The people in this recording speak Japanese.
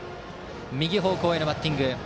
右方向へのバッティング。